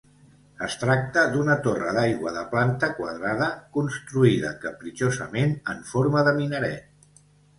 Es tracta d'una torre d'aigua de planta quadrada, construïda capritxosament en forma de minaret.